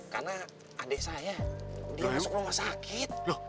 karena adek saya dia masuk rumah sakit